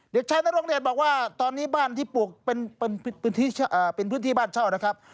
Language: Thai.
เด็กชายนรงเดชบอกว่าตอนนี้บ้านที่ปลูกเป็นพื้นที่บ้านเช่านะครับ